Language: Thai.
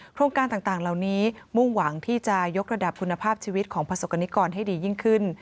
โครงการต่างเหล่านี้มุ่งหวังที่จะยกระดับคุณภาพชีวิตของประสบกรณิกรให้ดียิ่งขึ้น